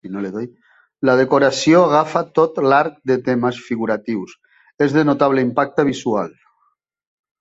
La decoració agafa tot l'arc de temes figuratius, és de notable impacte visual.